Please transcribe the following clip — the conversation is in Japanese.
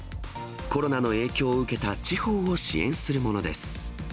コロナの影響を受けた地方を支援するものです。